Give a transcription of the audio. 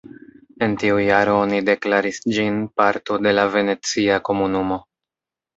En tiu jaro oni deklaris ĝin parto de la Venecia komunumo.